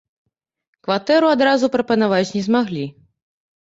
Кватэру адразу прапанаваць не змаглі.